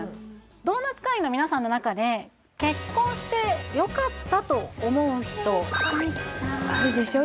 ドーナツ会員の皆さんの中で結婚してよかったと思う人あるでしょ？